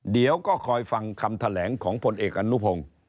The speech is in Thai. เดี๋ยวก็คอยฟังคำแถลงของผลเอกอนุพงศ์